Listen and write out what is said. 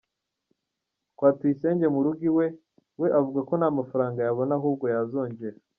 kwa Tuyisenge mu rugo iwe, we avuga ko nta mafaranga yabona ahubwo yazongera.